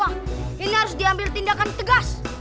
wah ini harus diambil tindakan tegas